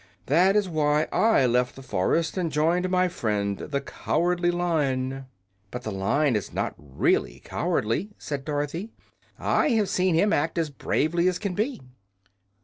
That is why I left the forest and joined my friend the Cowardly Lion." "But the Lion is not really cowardly," said Dorothy. "I have seen him act as bravely as can be."